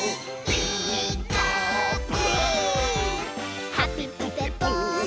「ピーカーブ！」